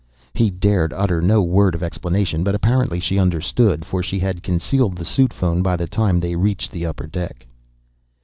He dared utter no word of explanation, but apparently she understood, for she had concealed the suit phone by the time they reached the upper deck.